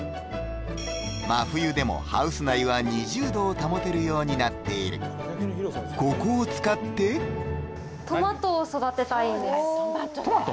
真冬でもハウス内は２０度を保てるようになっているここを使ってトマト？